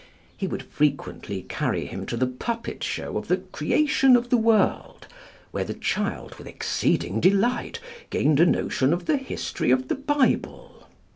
He would frequently carry him to the puppet show of the creation of the world, where the child, with exceeding delight, gained a notion of the history of the Bible.